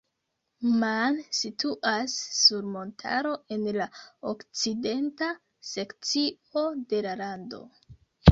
Man situas sur montaro en la okcidenta sekcio de la lando.